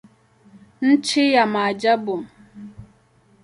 Nchi ya maajabu.